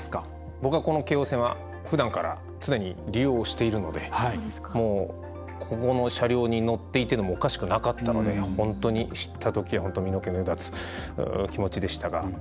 僕は、この京王線はふだんから常に利用しているのでもう、ここの車両に乗っていてもおかしくなかったので本当に知ったときは身の毛もよだつ気持ちでしたが。